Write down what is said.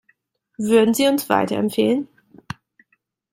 Würden Sie uns weiterempfehlen?